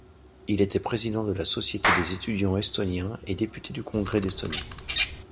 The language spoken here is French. Il était président de la société des étudiants estoniens et député du Congrès d'Estonie.